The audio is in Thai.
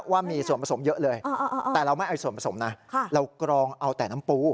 ว่ามีส่วนผสมเยอะเลยแต่เราไม่เอาส่วนผสมนะเรากรองเอาแต่น้ำปู